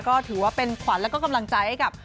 ก็ถือว่าเป็นขวัญแล้วก็กำลังใจให้กับ